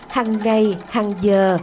hằng ngày hàng giờ